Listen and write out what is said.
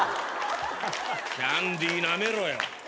キャンディーなめろよ。